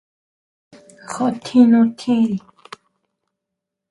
¿Jútjin nú tjiri?